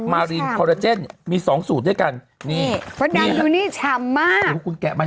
มอรินโคลแจนมีสองสู่ด้วยกันนี่อุ้ยนี่ฉ่ำมากคุณแกะมา